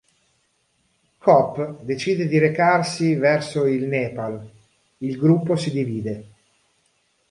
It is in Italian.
Kopp decide di recarsi verso il Nepal: il gruppo si divide.